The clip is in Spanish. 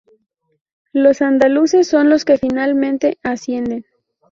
Los andaluces son los que finalmente ascienden.